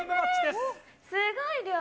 すごい量！